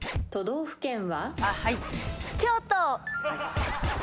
都道府県は？